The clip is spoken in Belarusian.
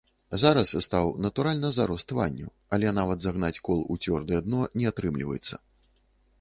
Зараз стаў, натуральна, зарос тванню, але нават загнаць кол у цвёрдае дно не атрымліваецца.